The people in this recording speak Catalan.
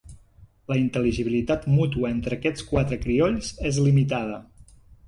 La intel·ligibilitat mútua entre aquests quatre criolls és limitada.